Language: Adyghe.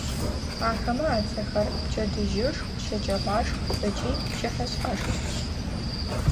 Ахэмэ ацӏэхэр: пчэдыжьышх, щэджэгъуашх ыкӏи пчыхьэшъхьашх.